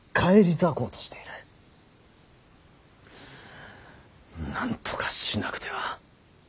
なんとかしなくては。